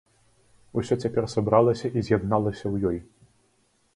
Усё цяпер сабралася і з'ядналася ў ёй.